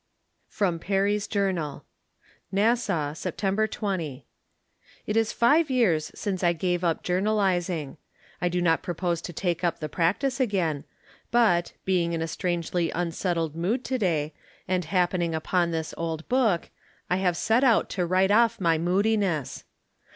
[fEOM PEEEY'S Jo'tTEKAL.J Nassau, September 20. It is five years since I gave up journalizing. I do not propose to take up tbe practice again ; but, being in a strangely unsettled mood to day, and happening upon this old book, I bave set out to write off my moodiness.